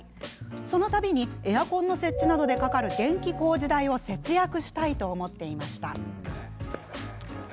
その度にエアコンの設置などでかかる電気工事代を節約したいと思っていました。